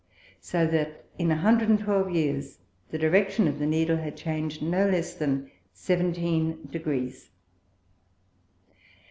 So that in 112 Years the Direction of the Needle has chang'd no less than seventeen Degrees.